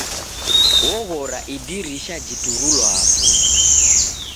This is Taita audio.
Oghora idirisha jiturulwaa putu!